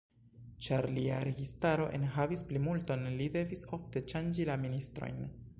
Ĉar lia registaro en havis plimulton, li devis ofte ŝanĝi la ministrojn.